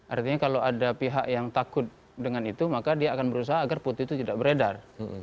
artinya kalau ada pihak yang takut dengan itu maka dia akan berusaha agar putih itu tidak beredar